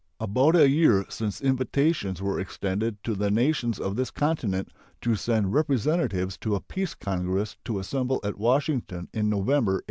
About a year since invitations were extended to the nations of this continent to send representatives to a peace congress to assemble at Washington in November, 1882.